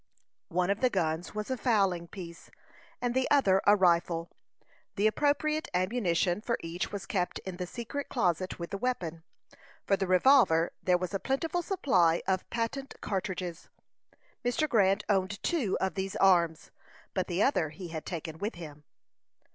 One of the guns was a fowling piece, and the other a rifle. The appropriate ammunition for each was kept in the secret closet with the weapon. For the revolver there was a plentiful supply of patent cartridges. Mr. Grant owned two of these arms, but the other he had taken with him.